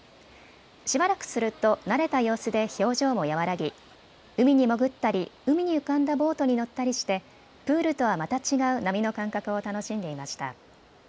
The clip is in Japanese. しばらくすると慣れた様子で表情も和らぎ海に潜ったり海に浮かんだボートに乗ったりしてプールとはまた違う波の感覚を楽しんでいました。